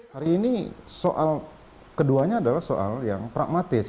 hari ini soal keduanya adalah soal yang pragmatis